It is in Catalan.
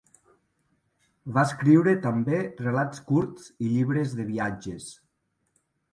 Va escriure també relats curts i llibres de viatges.